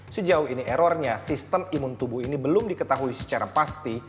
sejauh ini errornya sistem imun tubuh ini belum diketahui secara pasti